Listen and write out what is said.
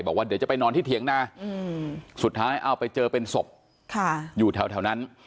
บอกว่าเดี๋ยวจะไปนอนที่เถียงนาสุดท้ายเอาไปเจอเป็นศพอยู่แถวนั้น